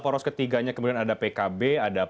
poros ketiganya kemudian ada pkb ada